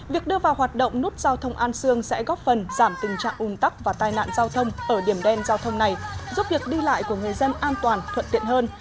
việc đưa vào hoạt động nút giao thông an sương sẽ góp phần giảm tình trạng ủn tắc và tai nạn giao thông ở điểm đen giao thông này giúp việc đi lại của người dân an toàn thuận tiện hơn